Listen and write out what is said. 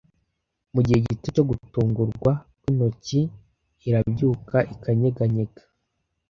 mugihe gito cyo gutungurwa kwintoki irabyuka ikanyeganyega